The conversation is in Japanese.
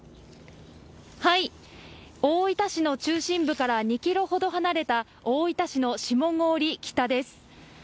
大分市の中心部から２キロほど離れた、大分市の下郡北です。